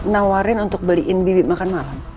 nawarin untuk beliin bibit makan malam